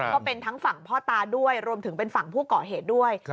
ก็เป็นทั้งฝั่งพ่อตาด้วยรวมถึงเป็นฝั่งผู้ก่อเหตุด้วย